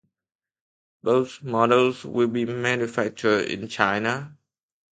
Both models will be manufactured in China.